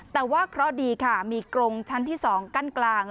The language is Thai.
แต่ว่าเคราะห์ดีค่ะมีกรงชั้นที่๒กั้นกลาง